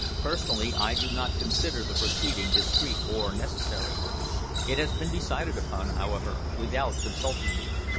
"Personally, I do not consider the proceeding discreet or necessary. It has been decided upon, however, without consulting me."